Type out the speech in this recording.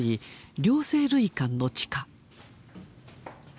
・両生類館の地下。